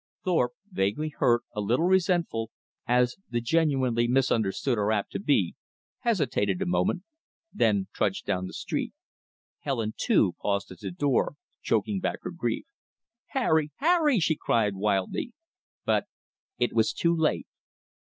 Thorpe, vaguely hurt, a little resentful, as the genuinely misunderstood are apt to be, hesitated a moment, then trudged down the street. Helen too paused at the door, choking back her grief. "Harry! Harry!" she cried wildly; but it was too late.